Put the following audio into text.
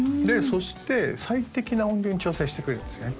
そして最適な音量に調整してくれるんですね